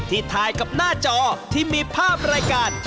ถ่ายกับหน้าจอที่มีภาพรายการ